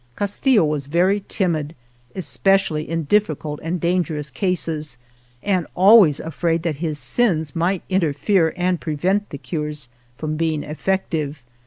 Castillo was very timid, es pecially in difficult and dangerous cases, and always afraid that his sins might interfere and prevent the cures from being effective.